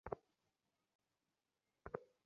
Cinema শুরু হয়ে গেছে।